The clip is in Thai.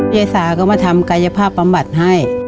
ยายสาก็มาทำกายภาพประมบัติให้